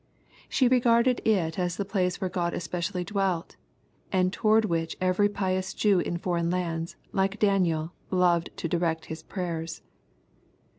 She regarded it as the place where God especially dwelt, and toward which every pious Jew in foreign lands, like Daniel, loved to direct his prayers.